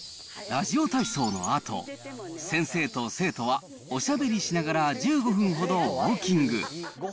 ラジオ体操のあと、先生と生徒はおしゃべりしながら１５分ほどウォーキング。